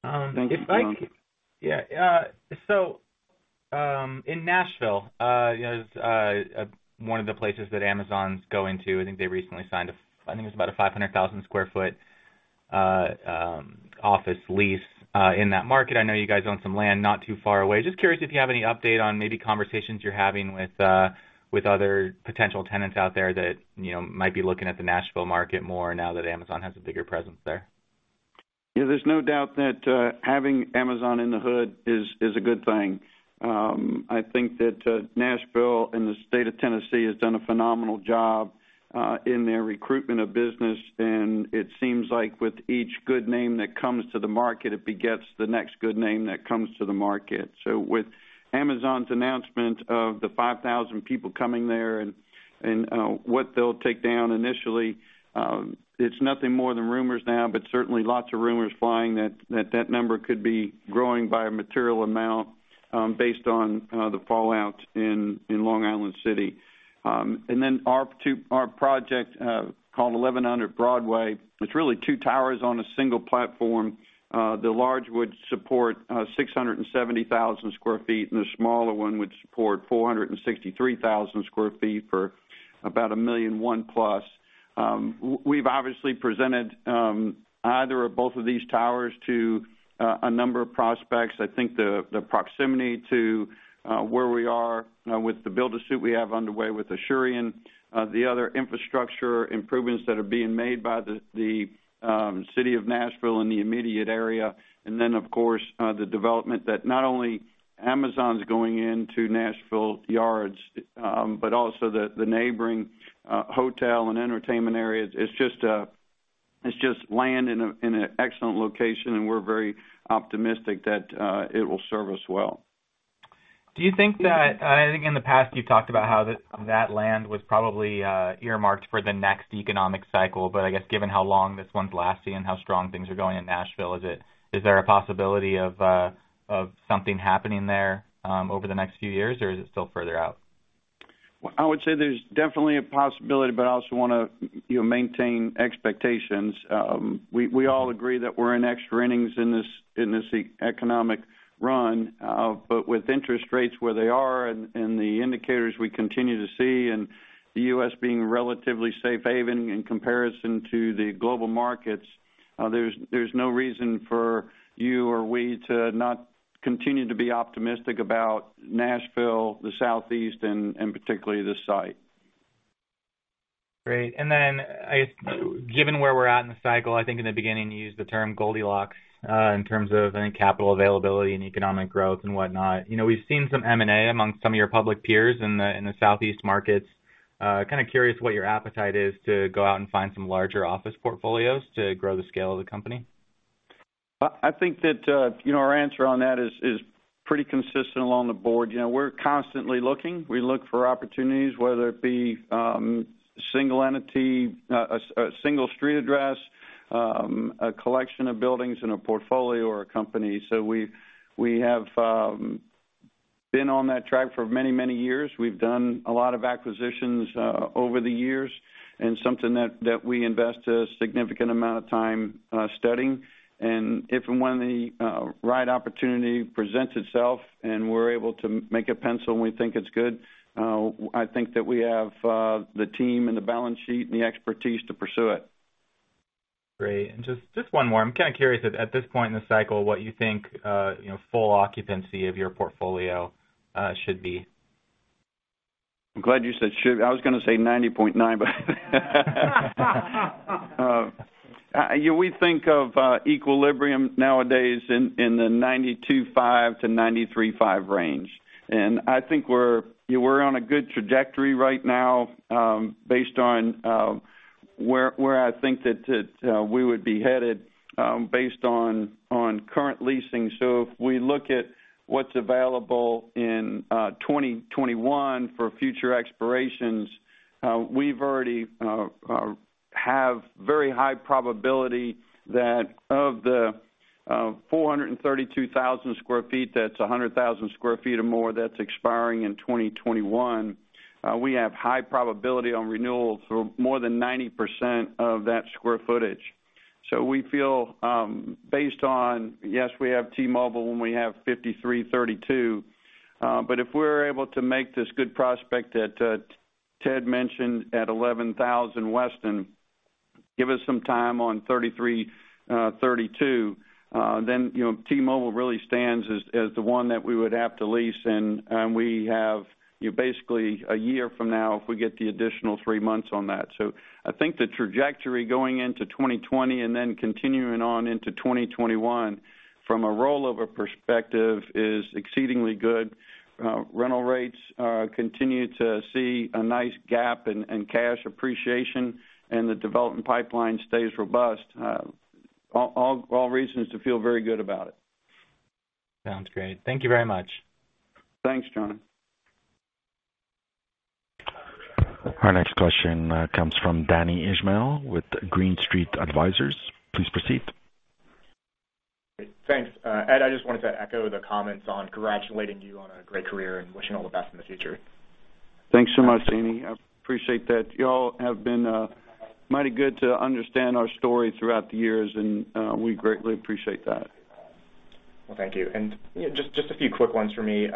Thank you, Jon. Yeah. In Nashville, one of the places that Amazon's going to, I think they recently signed, I think it was about a 500,000 sq ft office lease in that market. I know you guys own some land not too far away. Just curious if you have any update on maybe conversations you're having with other potential tenants out there that might be looking at the Nashville market more now that Amazon has a bigger presence there? There's no doubt that having Amazon in the hood is a good thing. I think that Nashville and the State of Tennessee has done a phenomenal job in their recruitment of business, and it seems like with each good name that comes to the market, it begets the next good name that comes to the market. With Amazon's announcement of the 5,000 people coming there and what they'll take down initially, it's nothing more than rumors now, but certainly lots of rumors flying that that number could be growing by a material amount based on the fallout in Long Island City. Our project called 1100 Broadway, it's really two towers on a single platform. The large would support 670,000 sq ft, and the smaller one would support 463,000 sq ft for about 1,000,001+ sq ft. We've obviously presented either or both of these towers to a number of prospects. I think the proximity to where we are with the build-to-suit we have underway with Asurion, the other infrastructure improvements that are being made by the city of Nashville and the immediate area, and then of course, the development that not only Amazon's going into Nashville Yards, but also the neighboring hotel and entertainment areas. It's just land in an excellent location, and we're very optimistic that it will serve us well. Do you think that I think in the past, you've talked about how that land was probably earmarked for the next economic cycle, but I guess given how long this one's lasting and how strong things are going in Nashville, is there a possibility of something happening there over the next few years, or is it still further out? I would say there's definitely a possibility, but I also want to maintain expectations. We all agree that we're in extra innings in this economic run, but with interest rates where they are and the indicators we continue to see and the U.S. being relatively safe haven in comparison to the global markets. There's no reason for you or we to not continue to be optimistic about Nashville, the Southeast, and particularly this site. Great. Given where we're at in the cycle, I think in the beginning, you used the term Goldilocks, in terms of capital availability and economic growth and whatnot. We've seen some M&A among some of your public peers in the Southeast markets. Curious what your appetite is to go out and find some larger office portfolios to grow the scale of the company? I think that our answer on that is pretty consistent along the board. We're constantly looking. We look for opportunities, whether it be a single entity, a single street address, a collection of buildings in a portfolio, or a company. We have been on that track for many, many years. We've done a lot of acquisitions over the years. Something that we invest a significant amount of time studying. If and when the right opportunity presents itself and we're able to make a pencil, and we think it's good, I think that we have the team and the balance sheet and the expertise to pursue it. Great. Just one more. I'm kind of curious at this point in the cycle, what you think full occupancy of your portfolio should be? I'm glad you said should. I was going to say 90.9. Yeah, we think of equilibrium nowadays in the 92.5%-93.5% range. I think we're on a good trajectory right now, based on where I think that we would be headed based on current leasing. If we look at what's available in 2021 for future expirations, we've already have very high probability that of the 432,000 sq ft, that's 100,000 square feet or more that's expiring in 2021, we have high probability on renewal for more than 90% of that square footage. We feel, based on, yes, we have T-Mobile and we have 5332, but if we're able to make this good prospect that Ted mentioned at 11000 Weston, give us some time on 5332, then T-Mobile really stands as the one that we would have to lease, and we have basically one year from now, if we get the additional three months on that. I think the trajectory going into 2020 and then continuing on into 2021 from a rollover perspective is exceedingly good. Rental rates continue to see a nice gap in cash appreciation. The development pipeline stays robust. All reasons to feel very good about it. Sounds great. Thank you very much. Thanks, Jon. Our next question comes from Danny Ismail with Green Street Advisors. Please proceed. Thanks. Ed, I just wanted to echo the comments on congratulating you on a great career and wishing all the best in the future. Thanks so much, Danny. I appreciate that. You all have been mighty good to understand our story throughout the years, and we greatly appreciate that. Well, thank you. Just a few quick ones from me.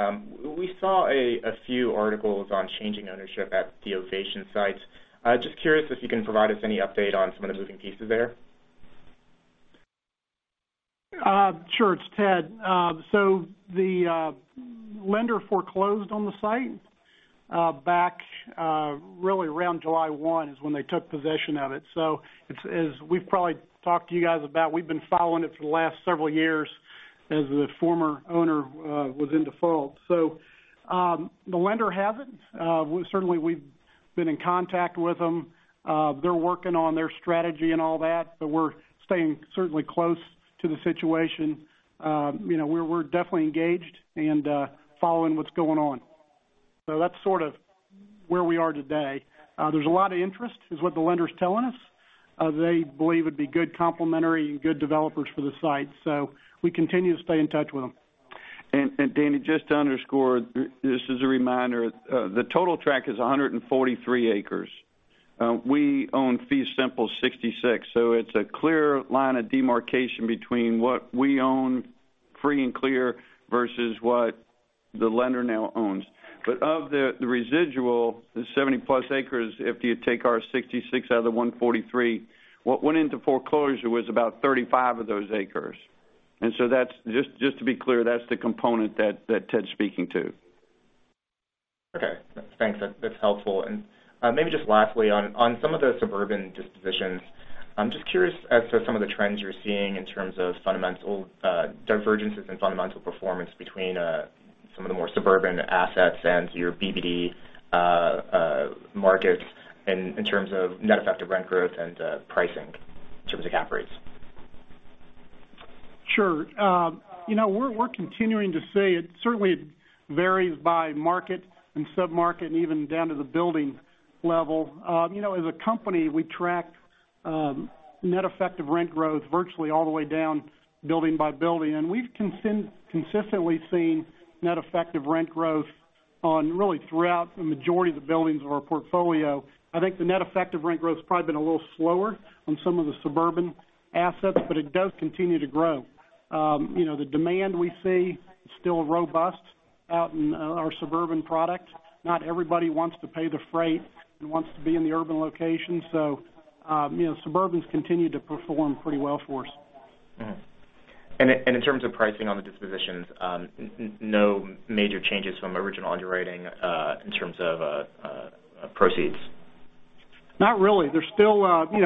We saw a few articles on changing ownership at the Ovation sites. Just curious if you can provide us any update on some of the moving pieces there. Sure. It's Ted. The lender foreclosed on the site back, really around July 1 is when they took possession of it. As we've probably talked to you guys about, we've been following it for the last several years as the former owner was in default. The lender has it. Certainly, we've been in contact with them. They're working on their strategy and all that, but we're staying certainly close to the situation. We're definitely engaged and following what's going on. That's sort of where we are today. There's a lot of interest, is what the lender's telling us. They believe it would be good complementary and good developers for the site, we continue to stay in touch with them. Danny, just to underscore, this as a reminder, the total tract is 143 acres. We own fee simple 66 acres. It's a clear line of demarcation between what we own free and clear versus what the lender now owns. Of the residual, the 70+ acres, if you take our 66 out of the 143, what went into foreclosure was about 35 of those acres. Just to be clear, that's the component that Ted's speaking to. Okay. Thanks. That's helpful. Maybe just lastly, on some of the suburban dispositions, I'm just curious as to some of the trends you're seeing in terms of divergences in fundamental performance between some of the more suburban assets and your BBD markets in terms of net effective rent growth and pricing in terms of cap rates. Sure. We're continuing to see it certainly varies by market and sub-market and even down to the building level. As a company, we track net effective rent growth virtually all the way down, building by building, and we've consistently seen net effective rent growth on really throughout the majority of the buildings of our portfolio. I think the net effective rent growth has probably been a little slower on some of the suburban assets, but it does continue to grow. The demand we see is still robust out in our suburban product. Not everybody wants to pay the freight and wants to be in the urban location, so suburbans continue to perform pretty well for us. In terms of pricing on the dispositions, no major changes from original underwriting in terms of proceeds. Not really. There's probably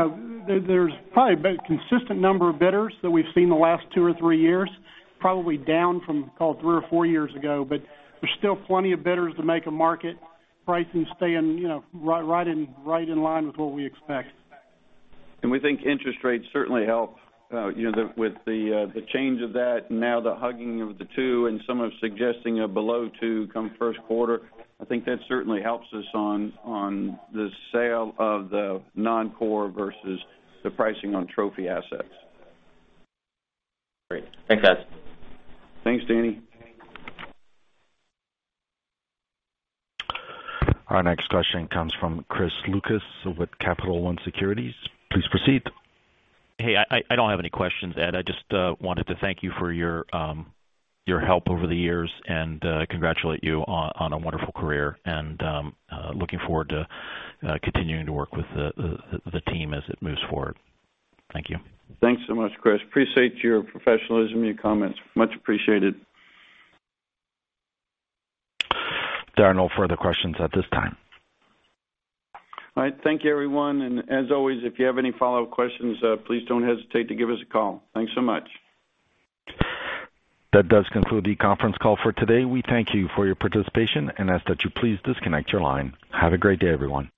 been a consistent number of bidders that we've seen the last two or three years, probably down from call it three or four years ago, but there's still plenty of bidders to make a market. Pricing staying right in line with what we expect. We think interest rates certainly help with the change of that, and now the hugging of the two and some are suggesting a below two come first quarter. I think that certainly helps us on the sale of the non-core versus the pricing on trophy assets. Great. Thanks, guys. Thanks, Danny. Our next question comes from Chris Lucas with Capital One Securities. Please proceed. Hey, I don't have any questions, Ed. I just wanted to thank you for your help over the years and congratulate you on a wonderful career. Looking forward to continuing to work with the team as it moves forward. Thank you. Thanks so much, Chris. Appreciate your professionalism, your comments. Much appreciated. There are no further questions at this time. All right. Thank you, everyone. As always, if you have any follow-up questions, please don't hesitate to give us a call. Thanks so much. That does conclude the conference call for today. We thank you for your participation and ask that you please disconnect your line. Have a great day, everyone.